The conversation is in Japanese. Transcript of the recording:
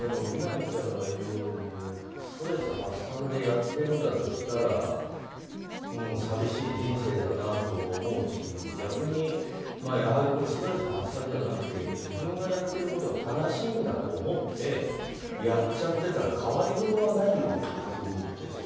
みなみちゃんが言うようにストレス発散でやってんだとしたら寂しい人生だなと思うし逆に矢作君ストレス発散じゃなくて自分がやってることは正しいんだと思ってやっちゃってたら変わりようはないような気はするんだよね。